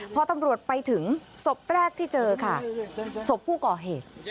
พอตำรวจไปถึงศพแรกที่เจอค่ะศพผู้ก่อเหตุ